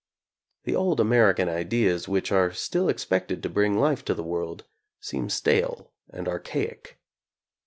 The old American ideas which are still expected to bring life to the world seem stale and archaic.